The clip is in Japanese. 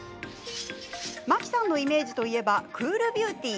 真木さんのイメージといえばクールビューティー。